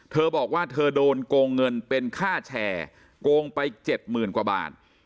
เธอบอกว่าเธอโดนโกงเงินเป็นค่าแชร์โกงไป๗๐๐๐กว่าบาท